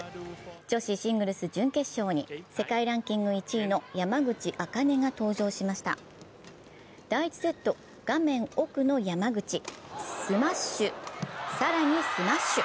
女子シングルス準決勝に世界ランキング１位の山口茜が登場しました第１セット、画面奥の山口、スマッシュ、更にスマッシュ。